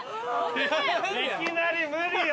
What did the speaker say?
いきなり無理よ